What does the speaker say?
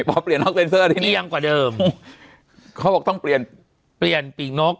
เพราะเปลี่ยนน็อคเซ็นเซอร์ที่นี่เอียงกว่าเดิมเขาบอกต้องเปลี่ยนเปลี่ยนปีกนก